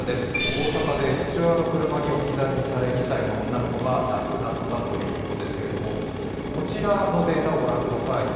大阪で父親の車に置き去りにされ２歳の女の子が亡くなったということですけれどもこちらのデータをご覧ください。